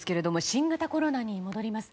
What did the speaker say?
新型コロナに戻ります。